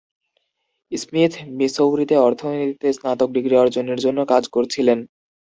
Smith মিসৌরিতে অর্থনীতিতে স্নাতক ডিগ্রি অর্জনের জন্য কাজ করছিলেন।